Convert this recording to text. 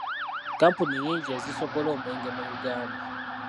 Kkampuni nnyingi ezisoggola omwenge mu Uganda.